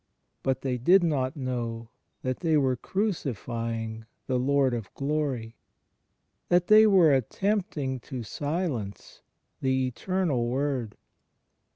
But they did not know that they were crucify ing the Lord of Glory, that they were attempting to silence the Eternal Word.